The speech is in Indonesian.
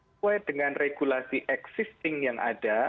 sesuai dengan regulasi existing yang ada